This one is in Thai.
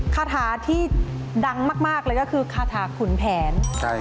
คาถาที่ดังมากเลยก็คือคาถาขุนแผน